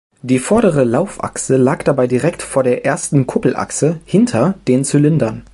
Die vordere Laufachse lag dabei direkt vor der ersten Kuppelachse "hinter" den Zylindern.